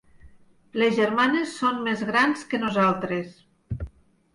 Les germanes són més grans que nosaltres.